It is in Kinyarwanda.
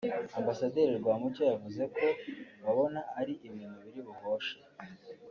Ambasaderi Rwamucyo yavuze ko babona ari ibintu biri buhoshe